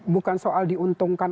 bukan soal diuntungkan